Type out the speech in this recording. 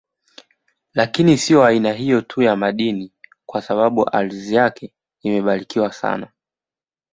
Lakini siyo aina hiyo tu ya madini kwa sababu ardhi yake imebarikiwa sana